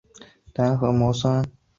单瘤酸模为蓼科酸模属下的一个种。